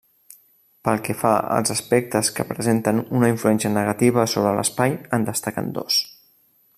Pel que fa als aspectes que presenten una influència negativa sobre l’espai en destaquen dos.